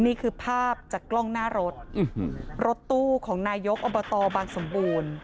นี่คือภาพจากกล้องหน้ารถรถตู้ของนายกอบตบางสมบูรณ์